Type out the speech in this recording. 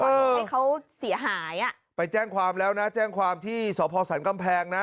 ทำให้เขาเสียหายอ่ะไปแจ้งความแล้วนะแจ้งความที่สพสันกำแพงนะ